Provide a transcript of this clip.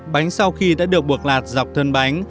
bánh sau khi đã được buộc lạt dọc thân bánh